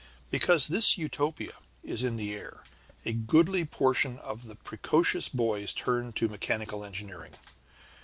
Because this Utopia is in the air, a goodly portion of the precocious boys turn to mechanical engineering.